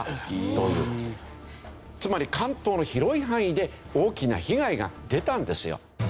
つまり関東の広い範囲で大きな被害が出たんですよ。